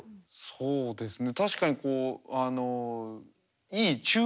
そうですね